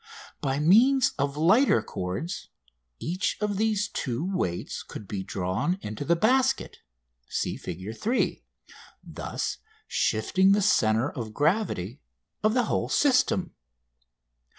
By means of lighter cords each of these two weights could be drawn into the basket (see Fig. 3), thus shifting the centre of gravity of the whole system.